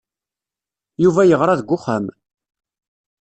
Yuba yeɣra deg uxxam.